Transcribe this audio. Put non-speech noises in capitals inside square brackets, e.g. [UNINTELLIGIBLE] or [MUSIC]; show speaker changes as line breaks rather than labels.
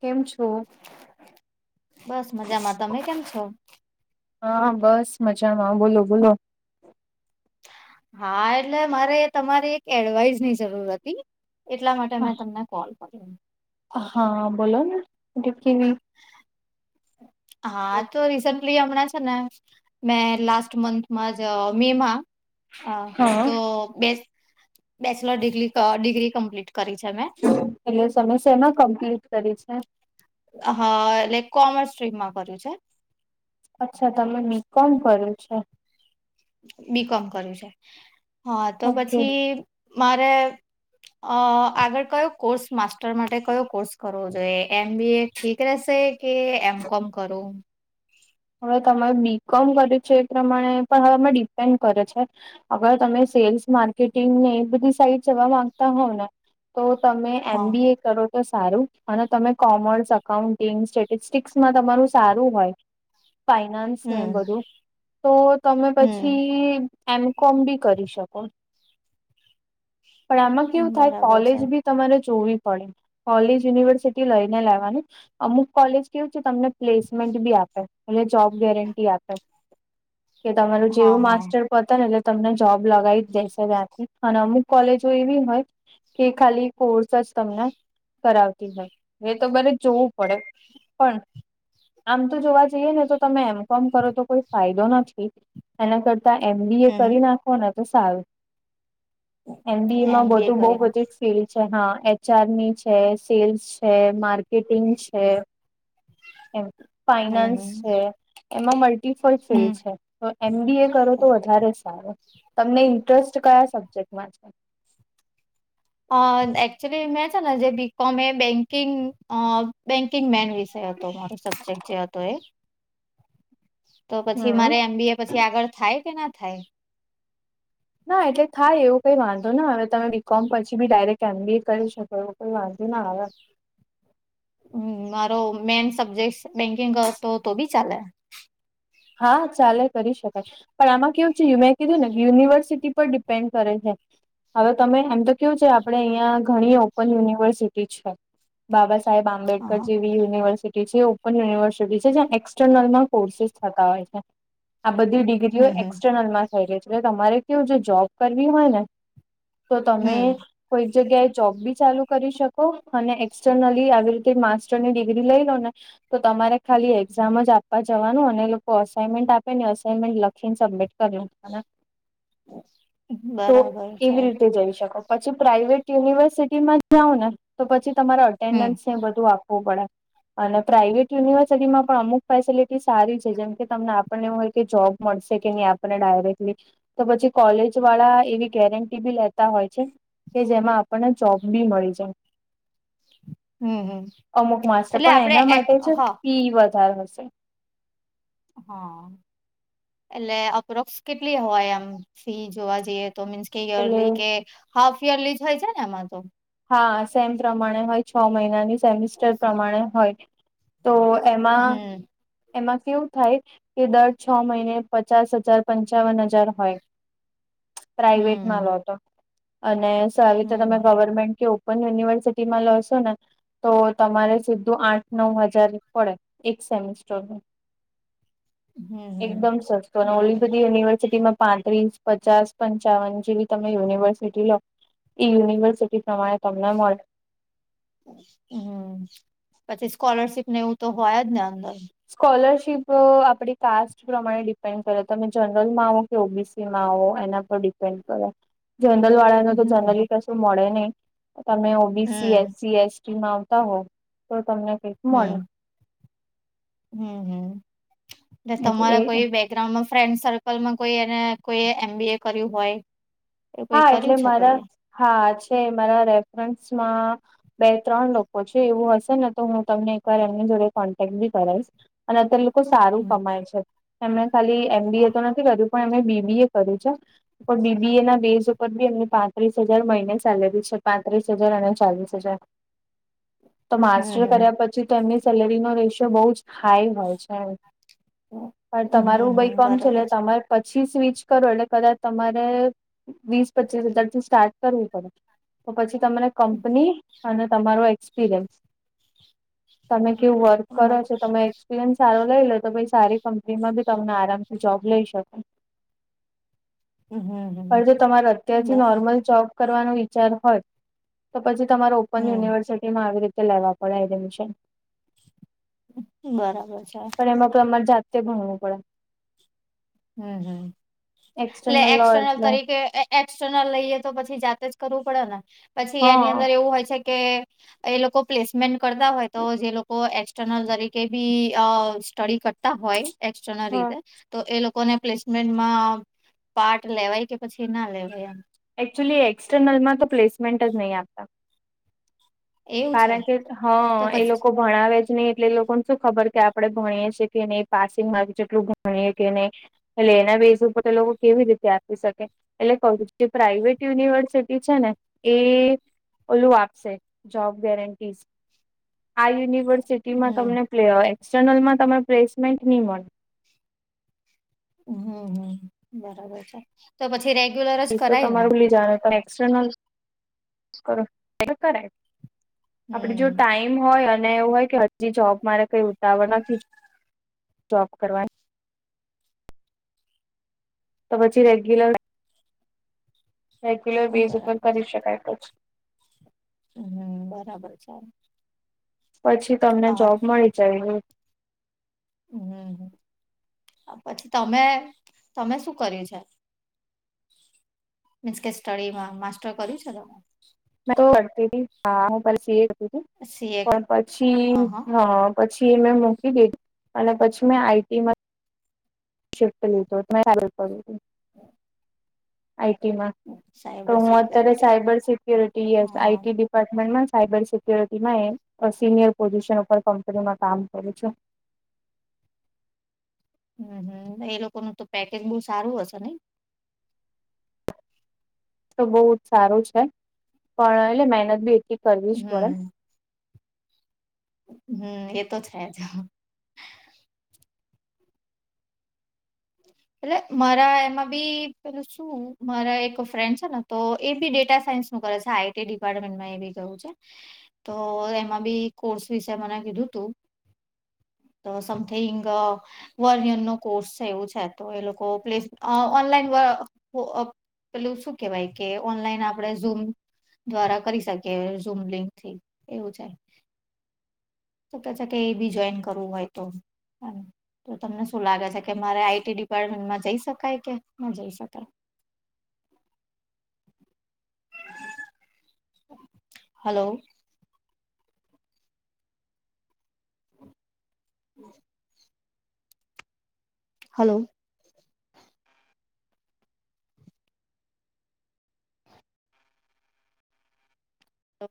કેમ છો?
બસ મજામાં તમે કેમ છો
હા, બસ મજામાં. બોલો બોલો.
હા, એટલે મારે તમારી એક એડવાઈઝ ની જરૂર હતી. એટલા માટે મેં તમને કોલ કર્યો.
હા, બોલો નેકી.
હા, તો રીસેન્ટલી હમણાં છે ને. મેં લસ્ટ મંથમાં જ મે મા [UNINTELLIGIBLE] હ,
હા.
તો બે બેચલર ડિગ્રી ડિગ્રી કમ્પ્લીટ કરી છે ને.
પેલે સમયસ એમાં કમ્પ્લીટ કરી છે.
હ, લાઈક કોમર્સ સ્ટ્રીમમાં કર્યું છે.
અચ્છા, તમે બી કોમ કર્યું છો?
બીકોમ કર્યું છે. હા, તો
ઓકે
પછી મારે અ આગળ કયો કોર્સ, માસ્ટર માટે કયો કોર્સ કરવો જોઈએ, એમ બી એ ઠીક રહેશે. કે એમ. કોમ કરુ?
હવે તમામે બીકોમ કર્યું છે, એ પ્રમાણે પણ હવેમે ડિપેન્ડ કરે છે. અગર તમે સેલ્સ માર્કેટિંગ ને, એ બધી સાઈડ જવા માંગતા હોવ ને. તો તમે એમ.
હા
બી એ કરો છે? તો સારું, અને તમે કોમર્સ અકાઉન્ટિંગ સ્ટેટિસ્ટિક્સમાં તમારું સારું હોય. ફાઈનાન્સ ને,
હમ
બધું તો તમે
હમ
પછી એમ. કોમ. બી કરી શકો, પણ આમાં કેવું થાય
બરાબર છે
કોલેજ બી તમારે જોવી પડે, કોલેજ યુનિવર્સિટી લઈને લેવાનું, અમુક કોલેજ કેવું છે, તમને પ્લેસમેન્ટ બી આપે, એટલે જોબ ગેરટી આપે. કે તમારું
હા
જેવું
હા
માસ્ટર પતા ને, એટલે તમને જોબ લગાવી જ દેશે, ત્યાંથી અને અમુક કોલેજો એવી હોય. કે ખાલી કોર્સ જ તમને કરાવતી હોય, એ તો બરે જોવું પડે. પણ આમ તો જોવા જ જએ ને, તો તમે એમ કોમ કરો તો કોઈ ફાયદો નથી, એના કરતા એમ. બી. એ
હમ
કરી નાખ. કોને તો સારું, એમ. બી. એ માં બધું બહુ બધું ફીડ છે. હા, એચઆરની છે, સેલ્સ છે, માર કેટિગ છે, એ
હમ
ફાઈનાન્સ
હમ
છે, એમાં મલ્ટીપલ ફિલ્ડ છે. તો એમ. બી. એ કરો તો, વધારે સારો તમને ઇન્ટરેસ્ટ કયા સબ્જેક્ટમાં છે.
એકચુલી મેં છે ને, જે બી. કોમ એ બેંકિંગ અ બેન્કિંગ મેન વિષય હતો. તો મારો સબ્જેક્ટ જે હતો એ. તો પછી મારે
હમ
એમ. બી. એ, પછી આગળ થાય કે ના થાય.
ના એટલે થાય, એવું કઈ વાંધો ના, હવે તમે બી. કોમ પછી બી ડાયરેક્ટ એમ. બી. એ કરી શકો, એવું કઈ વાંધો ના આવે.
હમ મારો મેન સબ્જેક્ટ બેંકિંગ હતો, તો બી ચાલે.
હા, ચાલે કરી શકાય. પણ આમાં કેવું છે, મે કીધું ને, યુનિવર્સિટી પર ડિપેન્ડ કરે છે, હવે તમે એમ તો. કેવું છે, આપડે અહિયાં ઘણી ઓપન યુનિવર્સિટી છે, બાબા સાહેબ આ આંબેડકર
હા
જેવી યુનિવર્સિટી છે, ઓપન યુનિવર્સિટી છે, જ્યાં એક્સટર્નલમાં કોર્સેિસ થતા હોય છે. આ બધી ડિગ્રીઓ
હમ હમ
એક્સટર્નલમાં થઈ રહી છે, એટલે તમારે કેવું જોબ કરવી હોય ને. તો તમે
હમ
કોઈક જગ્યાએ જોબ બી ચાલુ કરી શકો, અને એક્સર્નલી આવી રીતે માસ્ટરની ડિગ્રી લઈ લો ને. તો તમારે ખાલી એક્ઝામ જ આપવા જવાનું, અને લોકો અસાઇનમેન્ટ આપે ને, અસાઈનમેન્ટ લખીને સબમિટ કરી. તો
બરાબર છે
એવી રીતે જઈ શકો. પછી પ્રાઈવેટ યુનિવર્સિટીમાં જાવ ને, તો પછી તમારે
હમ
અટેન્ડન્સ ને બધું આપવું પડે. અને પ્રાઇવેટ યુનિવર્સિટી માં પણ અમુક ફેસિલિટી સારી છે. જેમ કે તમને આપણને એવું હોય કે, જોબ મળશે કે ન‌ઈ, આપણને ડાયરેક્ટલી તો પછી કોલેજ વાળા એવી ગેરંટી બી લેતા હોય છે. કે જેમાં આપણને જોબ બી મળી જાય.
હમ, હમ, એટલે આપડે એ હ.
તી વધારે હશે.
હ. એટલે અપ્રોક્સ કેટલી હોય, એમ ફી જોવા જઈએ, તો મીન્સ કે
એટલે
યરલી કે હાફ યરલી જ હોય છે ને, એમાં તો.
હા, સેમ પ્રમાણે હોય. છ મહિનાની સેમિસ્ટર પ્રમાણે હોય તો, એમાં
હમ
એમાં કેવું થાય કે, દર છ મહિને પચાસ હજાર પંચાવન હજાર હોય.
[UNINTELLIGIBLE]
પ્રાઈવેટમાં
હમ
લો તો, અને સારી રીતે તમે
હમ
ગવર્મેન્ટ કે ઓપન [UNINTELLIGIBLE] તો તમારે સીધું આઠ નવ હજાર પડે, એક સેમિસ્ટર.
[UNINTELLIGIBLE] હમ
એકદમ સસ્તુ, અને ઓલી
બરાબર
બધી યુનિવર્સિટીમાં પાંત્રીસ પચાસ પંચાવન જેવી તમે યુનિવર્સિટી લો ઈ યુનિવર્સિટી. તમારી તમને મળે.
હમ, પછી સ્કોલરશીપ ને, એવું તો હોય જ ને અંદર.
સ્કોલરશિપ આપડી કાસ્ટ પ્રમાણે ડિપેન્ડ કર્યો, તમે જનરલ માં આવો. ઓ બી સી માં આવો, એના પર ડિપેન્ડ કરે. જર્નરલ વાળા ને, તો
હમ
જનરલી કશું મળે ન‌ઈ, તમે ઓ. બી. C, S.
હમ
સી. એસ આવતા હો, તો તમને કઈક મળે.
હમ હમ, હમ, ને
એટલે
તમારા
એ
કોઈ બેક ગ્રાઉન્ડમાં ફ્રેન્ડ સર્કલમાં કોઈ એને કોઈ એમ. બી. એ કર્યું હોય. એ કોઈ
હા,
કર્યું
એટલે
છે
મારા
કોઈએ
હા છે, મારા રેફરન્સમાં બે ત્રણ લોકો છે, એવું હશે ને, તો હું તમને એકવાર એમની જોડે કોન્ટેક બી કરાઈશ. અને અત્યારે લોકો સારું
હમ
કમાય છે, એમને ખાલી એમ. બી. એ તો નથી કર્યું. પણ એમને બી. બી. એ કર્યું છે, પણ બી. બી. એ ના. બેઝ ઉપર બી એમને પાંત્રીસ હજાર મહિને સેલેરી છે, પાંત્રીસ હજાર અને ચાલીસ હજાર.
[UNINTELLIGIBLE]
તો માસ્ટર
હમ
કર્યા, પછી તો એની સેલેરીમાં રેશિયો બહુ જ હાઈ હોય છે. પણ
હમ
તમારું
હમ
ભય
હમ
કમ છે,
બરાબર
એટલે તમાર પછી સ્વિચ કરો, એટલે કદાચ તમારે વીસ પચીસ હજાર થી, સ્ટાર્ટ કરવુ પડે તો પછી તને કંપની અને તમારો એક્સપિરિયન્સ તમે કેવું વર્ક
બ
કરો છો, તમે એક્સપિરિયન્સ સારો લઈ લે, તો પછી સારી કંપનીમાં ભી તમને આરામથી જોબ લઈ શકે.
હ, હ.
પણ જો તમારે અત્યારથી નોર્મલ જોબ કરવાનો વિચાર હોય. તો પછી તમારે ઓપન
હમ.
યુનિવર્સિટીમાં આવી રીતે લેવા પડે, એડમિશન.
બરાબર છે.
પણ એમાં તમારે જાતે ભણવું પડે.
હમ, હમ, એટલે
લો
એક્સટર્નલ
એટલે
તરીકે એક્સર્નલ લઈએ, તો પછી જાતે જ કરવું પડે ને, પછી એની
હા
અંદર એવું હોય છે કે એ લોકો પ્લેસમેન્ટ કરતા હોય, તો જે લોકો એક્સટર્નલ તરીકે બી અ સ્ટડી કરતા હોય. એક્ટનર
હા
રીતે તો એ લોકો ના પ્લેસમેન્ટમાં પાર્ટ લેવાય કે, પછી ના લેવાય એમ.
એચ્યુલી એક્સટર્નલમાં તો પ્લેસમેન્ટ જ નહીં આપતા.
એવું છે
કારણ કે.
તો
હા, એ
પછી
લોકો ભણાવે જ નહીં, એટલે એ લોકોને શું ખબર કે, આપણે ભણીએ છી કે નહી, પાસિંગ મા જેટલું ભણીએ કે નય. એટલે એના બેઝ ઉપર તો લોકો કેવી રીતે આપી શકે? એટલે જે પ્રાાઈવેટ યુનિવર્સિટી છે ને, એ ઓલું આપશે. જોબ ગેરેંટીસ આ યુનિવર્સિટીમાં
હમ
તમને એક્સટર્નલમાં તમે પ્લેસમેન્ટ ની મળે.
હમ, હ, બરાબર છે. તો પછી રેગ્યુલર જ
એ તો
કરાય ને.
તમારું લી જાણે, એક્સ્ટનલ કર, આપડે જો
હમ.
ટાઈ એમ હોય, અને એવું હોય કે, હજી જોબ મારે કઈ ઉતાવળ નથી, જોબ કરવાની. તો પછી રેગ્યુલર રેગ્યુલર બેઝ ઉપર
બરાબર.
કરી શકાય, પછી
હમ, બરાબર છે.
પછી તમને
હા.
જોબ મળી જાય એવું.
હમ, પછી તમે તમે શું કરે છે? મીન્સ કે, સ્ટડીમાં માસ્ટર કરી શકો.
તો વતી હતી હા હું પછી એ તું
સીએ
પણ પછી
અહ
હ [UNINTELLIGIBLE] પછી એમે મૂકી દીધી, અને પછી મેં આઈટીમાં શિફ્ટ લીધો પડ [UNINTELLIGIBLE]
હમ.
આઈટીમાં તો, હું અત્યારે
સિક્યોરિટી
સાયબર સિક્યોરિટી આઈ
હા
ડિપાર્ટમેન્ટમાં સાયબર સિક્યોરિટીમાં સિનિયર પોઝિશન ઉપર કંપનીમાં કામ કરું છું.
હમ, હમ, એ લોકોનું તો પેકેજ બહુ સારું હશે ને?
તો બહુ જ સારું છે, પણ એટલે મહેનત બી એટલી કરવી જ
હમ
પડે.
હમ, એતો છે જ. એટલે મારા એમાં બી પેલું શું? મારા એક ફ્રેન્ડ છે ને. તો એ બી ડેટા સાયન્સ નું કરે છે, આઈટી ડિપાર્ટમેન્ટમાં એ બી ગયું છે. તો એમાં બી કોર્સ વિશે મને કીધું તું. તો સમથિંગ વન યર નો કોર્સ છે, એવું છે. તો એ લોકો પ્લેસ ઓનલાઈન પેલું શું કેવાય કે, ઓનલાઈન આપણે ઝૂમ દ્વારા કરી શકે, ઝૂમ લિંક થી એવું છે. તો કે છે કે, એ બી જોઈન કરવું હોય તો. તો તમને શું લાગે છે કે, મારે આઈટી ડિપાર્ટમેન્ટમાં જઈ શકાય કે, ન જઈ શકાય? હલો. હમ. હલો. હ.